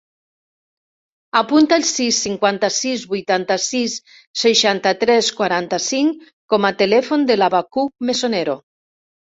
Apunta el sis, cinquanta-sis, vuitanta-sis, seixanta-tres, quaranta-cinc com a telèfon del Abacuc Mesonero.